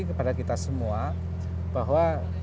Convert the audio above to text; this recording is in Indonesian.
kepada kita semua bahwa